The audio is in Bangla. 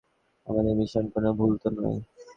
আমাদের মিশন কোনো ভুল তো নয়?